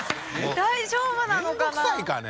大丈夫なのかな？